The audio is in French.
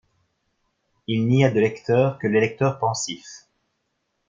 Il n’y a de lecteur que le lecteur pensif.